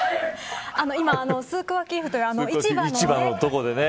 今スークワキーフという市場の所でね。